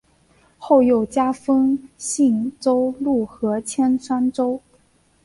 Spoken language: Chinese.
后又加封信州路和铅山州。